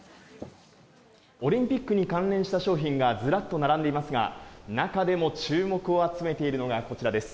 オリンピックに関連した商品がずらっと並んでいますが、中でも注目を集めているのがこちらです。